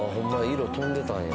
色飛んでたんや。